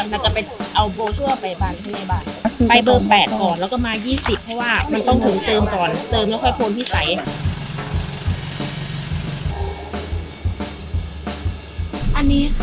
แล้วก็ไปเอาโบรชั่วไปบ้านข้างในบ้าน